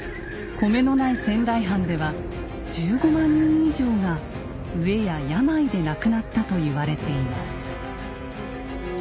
米のない仙台藩では１５万人以上が飢えや病で亡くなったと言われています。